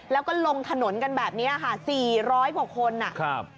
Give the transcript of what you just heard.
แล้วก็ลงถนนกันแบบนี้ค่ะสี่ร้อยกว่าคนอ่ะครับ